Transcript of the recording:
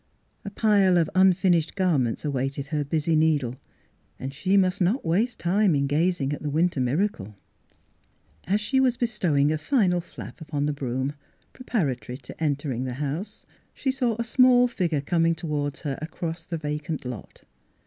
A pile of unfin ished garments awaited her busy needle, and she must not waste time in gazing at the winter miracle. As she was bestowing a final flap upon the broom, preparatory to entering the house, she saw a small figure coming toward her across the vacant lot.